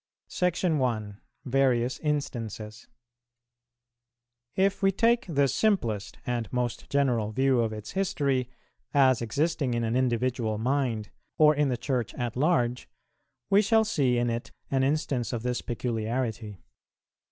SECTION I. VARIOUS INSTANCES. If we take the simplest and most general view of its history, as existing in an individual mind, or in the Church at large, we shall see in it an instance of this peculiarity.